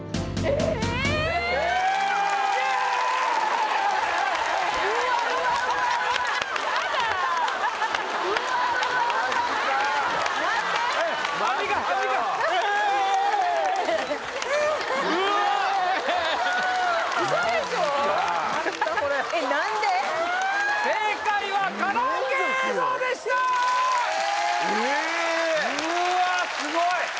・えっ・うわすごい！